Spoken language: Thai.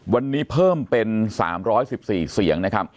วันนี้เพิ่มเป็น๓๑๔เสียง